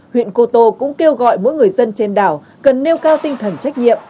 huyện cô tô cũng kêu gọi mỗi người dân trên đảo cần nêu cao tinh thần trách nhiệm